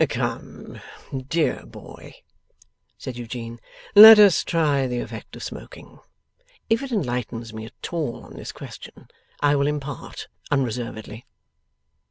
'Come, dear boy!' said Eugene. 'Let us try the effect of smoking. If it enlightens me at all on this question, I will impart unreservedly.